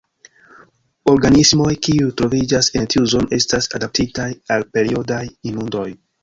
Organismoj kiuj troviĝas en tiu zono estas adaptitaj al periodaj inundoj.